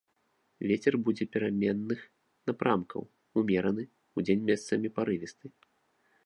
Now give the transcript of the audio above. Вецер будзе пераменных напрамкаў, умераны, удзень месцамі парывісты.